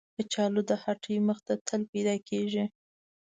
کچالو د هټۍ مخ ته تل پیدا کېږي